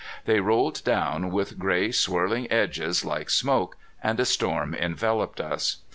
They rolled down with gray, swirling edges, like smoke, and a storm enveloped us.